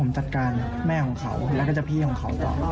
มาข้ามประกัน